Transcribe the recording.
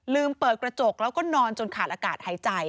เปิดกระจกแล้วก็นอนจนขาดอากาศหายใจ